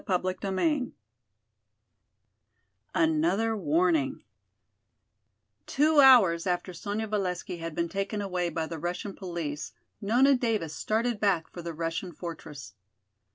CHAPTER VIII Another Warning Two hours after Sonya Valesky had been taken away by the Russian police Nona Davis started back for the Russian fortress.